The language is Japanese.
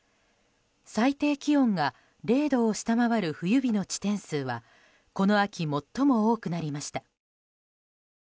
最低気温が０度を下回る冬日の地点数はこの秋、最も多くなりました。